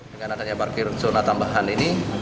dengan adanya parkir zona tambahan ini